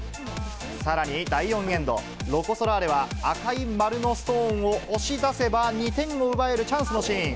さらに第４エンド、ロコ・ソラーレは赤い丸のストーンを押し出せば２点を奪えるチャンスのシーン。